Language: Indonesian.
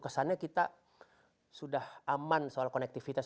kesannya kita sudah aman soal konektivitas